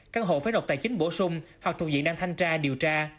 căn hộ phải nộp tài chính bổ sung hoặc thuộc diện đang thanh tra điều tra